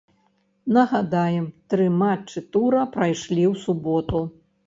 Нагадаем, тры матчы тура прайшлі ў суботу.